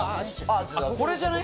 これじゃない？